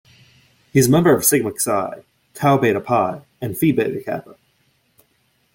He is a member of Sigma Xi, Tau Beta Pi and Phi Beta Kappa.